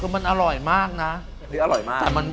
มันอร่อยมากนะ